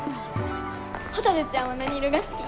ほたるちゃんは何色が好き？